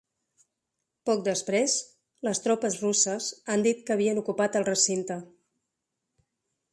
Poc després, les tropes russes han dit que havien ocupat el recinte.